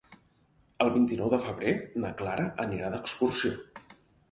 El vint-i-nou de febrer na Clara anirà d'excursió.